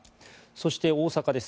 そして、大阪です。